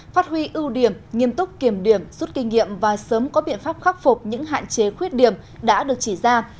phát huy ưu điểm nghiêm túc kiểm điểm rút kinh nghiệm và sớm có biện pháp khắc phục những hạn chế khuyết điểm đã được chỉ ra